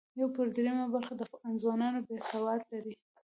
یو پر درېیمه برخه ځوانان یې سواد لري.